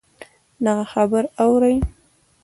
دغـه خبـرې اورې